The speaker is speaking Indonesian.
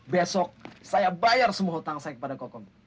besok saya bayar semua hutang saya kepada kokom